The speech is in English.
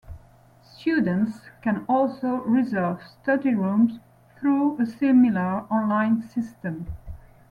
Students can also reserve study rooms through a similar online system.